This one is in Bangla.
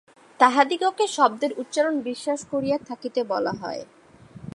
তাহাদিগকে শব্দের উপর বিশ্বাস করিয়া থাকিতে বলা হয়।